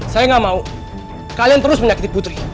saya gak mau kalian terus menyakiti putri